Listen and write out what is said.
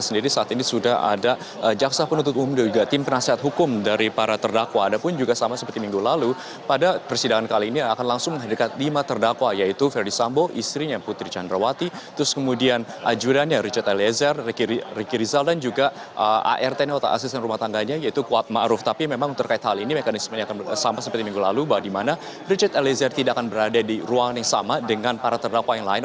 memang terkait hal ini mekanisme yang akan sampai seperti minggu lalu bahwa dimana richard eliezer tidak akan berada di ruang yang sama dengan para terdakwa yang lain